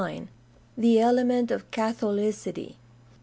The element of catholicity.